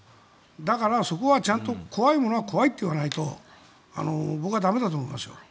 だからそこはちゃんと怖いものは怖いと言わないと僕は駄目だと思いますよ。